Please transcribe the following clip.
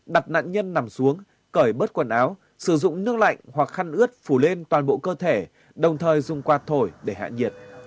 đặt nạn nhân nằm xuống cởi bớt quần áo sử dụng nước lạnh hoặc khăn ướt phủ lên toàn bộ cơ thể đồng thời dùng quạt thổi để hạ nhiệt